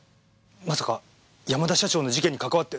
まさか山田社長の事件に関わって。